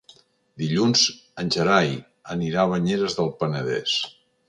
Dilluns en Gerai anirà a Banyeres del Penedès.